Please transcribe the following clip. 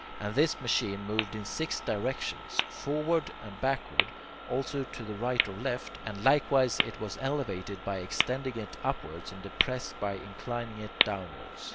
And this machine moved in six directions, forward (and backward), also to the right or left, and likewise it was elevated by extending it upwards and depressed by inclining it downwards.